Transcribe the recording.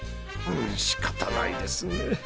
仕方ないですね。